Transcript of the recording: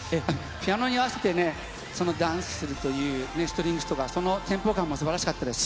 ピアノに合わせてダンスするという、ストリングスとか、そのテンポ感もすばらしかったです。